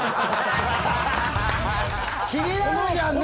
気になるじゃんね。